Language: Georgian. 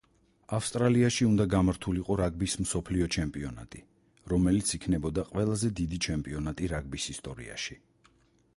ავსტრალიაში უნდა გამართულიყო რაგბის მსოფლიო ჩემპიონატი, რომელიც იქნებოდა ყველაზე დიდი ჩემპიონატი რაგბის ისტორიაში.